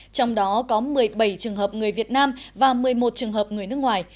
trong đó có một mươi bảy trường hợp người việt nam và một mươi một trường hợp người nước ngoài